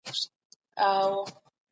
د خوړو او خوب ترمنځ واټن وساته